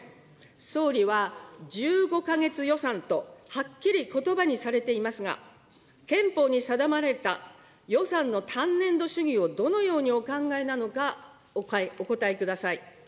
総理は１５か月予算とはっきりことばにされていますが、憲法に定まれた予算の単年度主義をどのようにお考えなのか、お答えください。